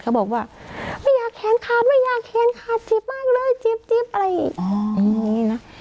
เขาบอกว่าไม่อยากแขนขาดไม่อยากแขนขาดจิ๊บมากเลยจิ๊บอะไรอย่างนี้นะ